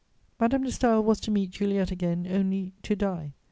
Madame de Staël was to meet Juliet again only to die.